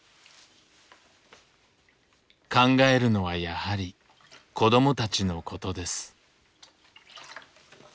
考えるのはやはり子どもたちのことです。